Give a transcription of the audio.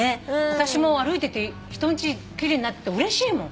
私も歩いてて人んち奇麗になってるとうれしいもん。